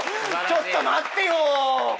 ちょっと待ってよ！